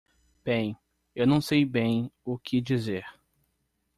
Bem, eu não sei bem o que dizer.